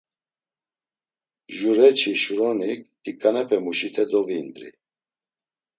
Jureçi şuroni t̆iǩanepemuşite doviindri.